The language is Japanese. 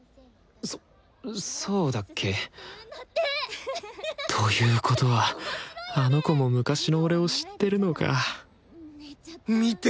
そそうだっけ？ということはあの子も昔の俺を知ってるのか見て！